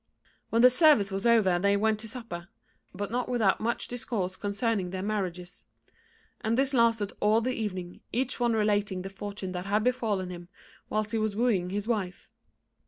When the service was over they went to supper, but not without much discourse concerning their marriages; and this lasted all the evening, each one relating the fortune that had befallen him whilst he was wooing his wife.